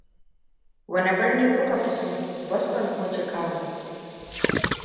Wani birni ku Ka fi so, Boston ko Chicago?